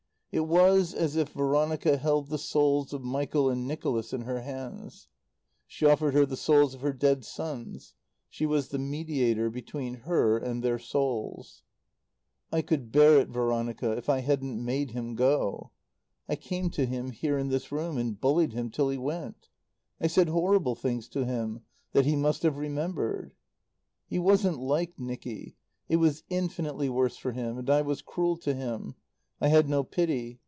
It was as if Veronica held the souls of Michael and Nicholas in her hands. She offered her the souls of her dead sons. She was the mediator between her and their souls. "I could bear it, Veronica, if I hadn't made him go. I came to him, here, in this room, and bullied him till he went. I said horrible things to him that he must have remembered. "He wasn't like Nicky it was infinitely worse for him. And I was cruel to him. I had no pity.